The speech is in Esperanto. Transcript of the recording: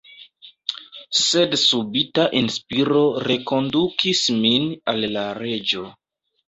Sed subita inspiro rekondukis min al la Reĝo.